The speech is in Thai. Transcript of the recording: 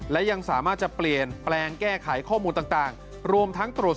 และยังสามารถจะเปลี่ยนแปลงแก้ไขข้อมูลต่างรวมทั้งตรวจสอบ